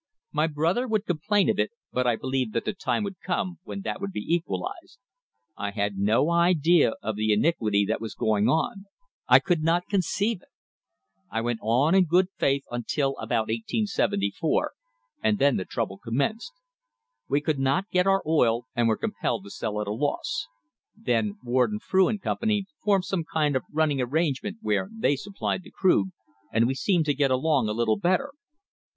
My brother would complain of it, but I believed that the time would come when that wcluld be equalised. I had no idea of the iniquity that was going on; I could not conceive it. I went on in good faith until *■) about 1874, and then the trouble commenced. We could not get our oil and were compelled to sell at a loss. Then Warden, Frew and Company formed some kind of running arrangement where they supplied the crude, and we seemed to get' along a little better.